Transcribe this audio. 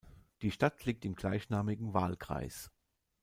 Die Stadt liegt im gleichnamigen Wahlkreis.